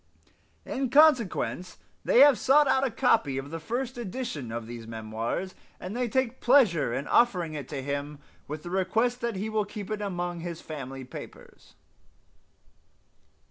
In consequence they have sought out a copy of the first edition of these memoirs, and they take pleasure in offering it to him, with the request that he will keep it among his family papers."